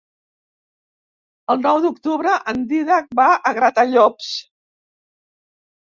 El nou d'octubre en Dídac va a Gratallops.